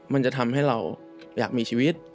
มันจะทำให้เราอยากมีชีวิต